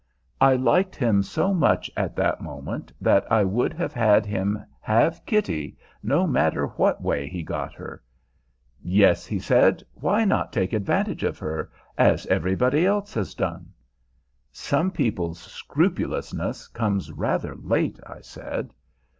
I liked him so much at that moment that I would have had him have Kitty, no matter what way he got her. "Yes," he said; "why not take advantage of her, as everybody else has done?" "Some people's scrupulousness comes rather late," I said.